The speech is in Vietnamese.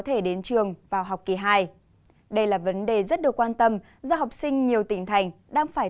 thể đến trường vào học kỳ hai đây là vấn đề rất được quan tâm do học sinh nhiều tỉnh thành đang phải